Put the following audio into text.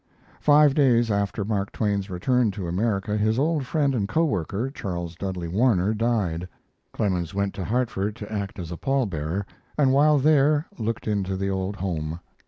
Five days after Mark Twain's return to America, his old friend and co worker, Charles Dudley Warner, died. Clemens went to Hartford to act as a pall bearer and while there looked into the old home.